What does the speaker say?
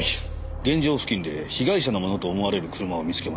現場付近で被害者のものと思われる車を見つけました。